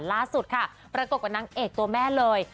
ล่าสุดค่ะประกบกับนางเอกตัวแม่เลย